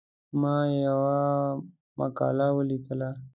ما یوه مقاله ولیکله.